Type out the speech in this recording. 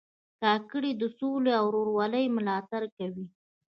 کاکړي د سولې او ورورولۍ ملاتړ کوي.